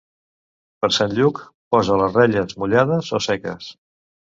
Per Sant Lluc, posa les relles, mullades o seques.